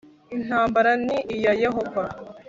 Intambara ni iya Yehova